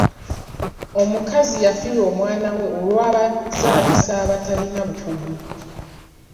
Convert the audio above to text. Omukazi yafiirwa omwana we olw'abazaalisa abatalina bukugu.